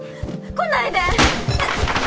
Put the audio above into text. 来ないで